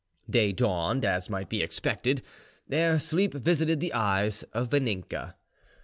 Day dawned, as might be expected, ere sleep visited the eyes of Vaninka.